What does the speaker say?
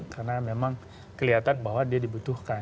karena memang kelihatan bahwa dia dibutuhkan